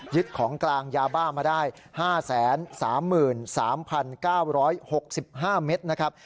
ของกลางยาบ้ามาได้๕๓๓๙๖๕เมตรนะครับ